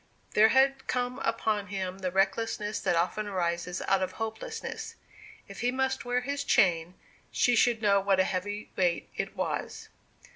There had come upon him the recklessness that often arises out of hopelessness. If he must wear his chain, she should know what a heavy weight it was!